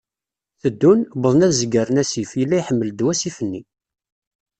Teddun, wḍen ad zegren asif, yella iḥmel-d wasif-nni.